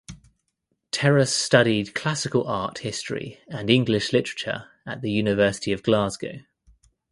Terras studied classical art history and English literature at the University of Glasgow.